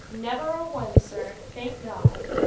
"Never a one, sir, thank God."